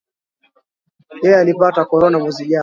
Yeye alipata korona mwezi jana